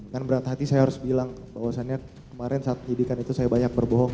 kan berat hati saya harus bilang bahwasannya kemarin saat penyidikan itu saya banyak berbohong